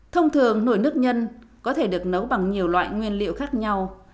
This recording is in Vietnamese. thông thường nổi nước nhân có thể được nấu bằng nhiều loại nguyên liệu khác nhau